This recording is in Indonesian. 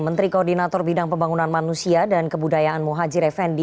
menteri koordinator bidang pembangunan manusia dan kebudayaan muhajir effendi